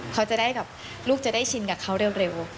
เขาจะได้แบบลูกจะได้ชินกับเขาเร็ว